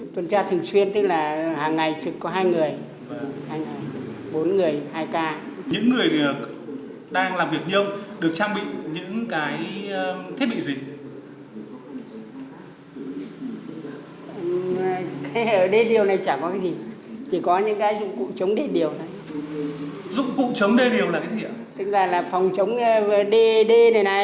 tức là là phòng chống đê này này chống đê